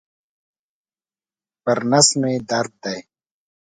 پر نس مي درد دی.